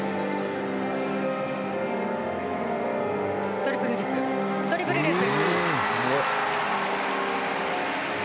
トリプルフリップトリプルループ。